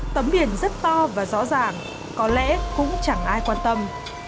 tấm biển rất to và rõ ràng có lẽ cũng chẳng ai quan tâm